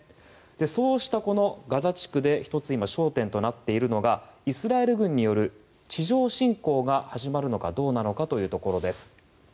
そうしたガザ地区で１つ、焦点となっているのがイスラエル軍による地上侵攻が始まるのかどうなのかというところです。